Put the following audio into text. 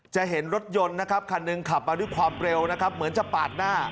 จะเห็นรถยนต์นะครับคันหนึ่งขับมาด้วยความเร็วนะครับเหมือนจะปาดหน้า